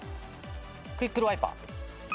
クイックルワイパー。